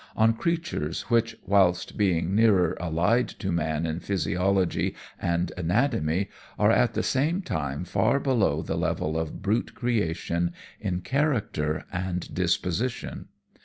On creatures which whilst being nearer allied to man in physiology and anatomy, are at the same time far below the level of brute creation in character and disposition.